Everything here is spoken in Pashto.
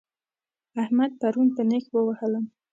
احمد پرون په نېښ ووهلم